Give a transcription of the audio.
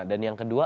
dan yang kedua